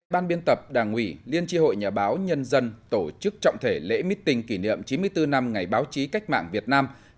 ban biên tập đảng ủy liên tri hội nhà báo nhân dân tổ chức trọng thể lễ meeting kỷ niệm chín mươi bốn năm ngày báo chí cách mạng việt nam